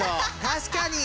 確かに！